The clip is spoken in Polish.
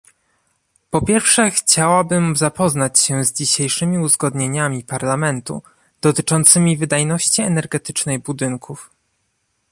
Po pierwsze chciałabym zapoznać się z dzisiejszymi uzgodnieniami Parlamentu dotyczącymi wydajności energetycznej budynków